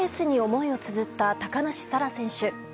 ＳＮＳに思いをつづった高梨沙羅選手。